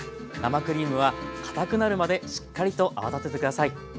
生クリームは堅くなるまでしっかりと泡立てて下さい。